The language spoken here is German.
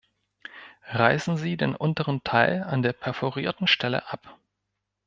Reißen Sie den unteren Teil an der perforierten Stelle ab.